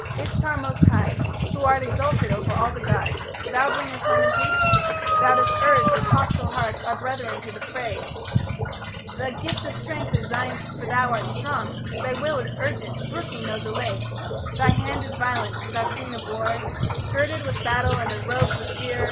Ishtar most high, Who art exalted over all the gods, Thou bringest lamentation; thou dost urge With hostile hearts our brethren to the fray; The gift of strength is thine for thou art strong; Thy will is urgent, brooking no delay; Thy hand is violent, thou queen of war Girded with battle and enrobed with fear...